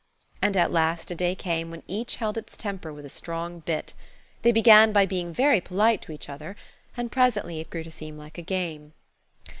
And at last a day came when each held its temper with a strong bit. They began by being very polite to each other, and presently it grew to seem like a game.